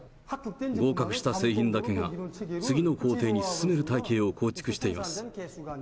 合格した製品だけが次の工程に進める体系を構築しています。